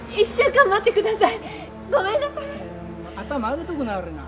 頭上げておくなはれな。